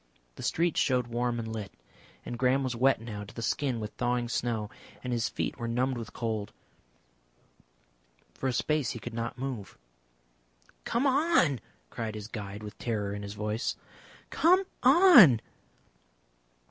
The street showed warm and lit, and Graham was wet now to the skin with thawing snow, and his feet were numbed with cold. For a space he could not move. "Come on!" cried his guide, with terror in his voice. "Come on!"